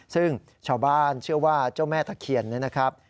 ซึ่งชาวบ้านเชื่อว่าเจ้าแม่ตะเคียนเนี่ยนะครับ